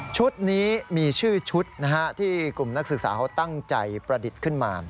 ชุดนี้มีชื่อชุดที่กลุ่มนักศึกษาเขาตั้งใจประดิษฐ์ขึ้นมา